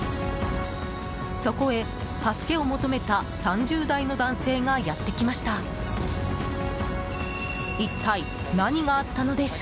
そこへ、助けを求めた３０代の男性がやってきました。